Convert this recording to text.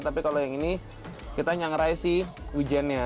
tapi kalau yang ini kita nyangrai sih wijennya